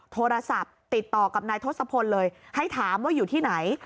โทรศัพท์ติดต่อกับนายทศพลเลยให้ถามว่าอยู่ที่ไหน